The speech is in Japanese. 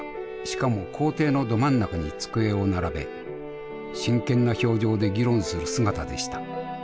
しかも校庭のど真ん中に机を並べ真剣な表情で議論する姿でした。